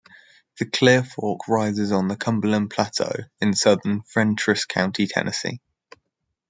The Clear Fork rises on the Cumberland Plateau in southern Fentress County, Tennessee.